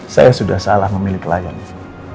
saya sudah salah memilih pelayanan